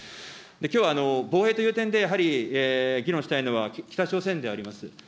きょうは、防衛という点で、やはり議論したいのは、北朝鮮であります。